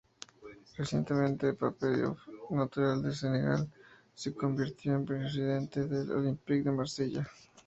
Recientemente, Pape Diouf, natural de Senegal, se convirtió en presidente del Olympique de Marseille.